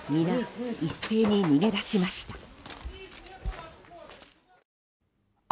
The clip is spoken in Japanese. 皆、一斉に逃げ出しました。